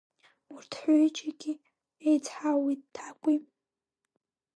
Урҭ ҳҩыџьагьы еицҳауит, Ҭакәи.